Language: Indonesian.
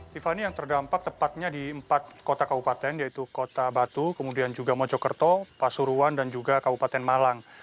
tiffany yang terdampak tepatnya di empat kota kabupaten yaitu kota batu kemudian juga mojokerto pasuruan dan juga kabupaten malang